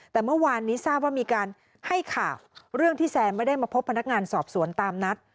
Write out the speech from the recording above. แต่เมื่อวานนี้ทราบว่ามีการให้ข่าวเรื่องที่แซนไม่ได้มาพบพนักงานสอบสวนตามนัด